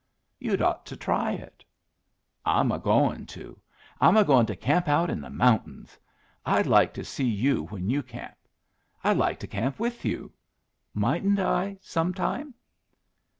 "You'd ought to try it." "I'm a going to. I'm a going to camp out in the mountains. I'd like to see you when you camp. I'd like to camp with you. Mightn't I some time?"